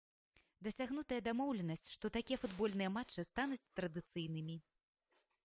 Дасягнутая дамоўленасць, што такія футбольныя матчы стануць традыцыйнымі.